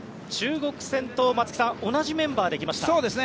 中国戦と同じメンバーできました。